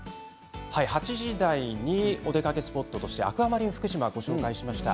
８時台にお出かけスポットとしてアクアマリンふくしまをご紹介しました。